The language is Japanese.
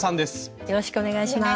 よろしくお願いします。